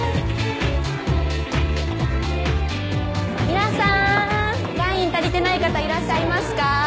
皆さんワイン足りてない方いらっしゃいますか？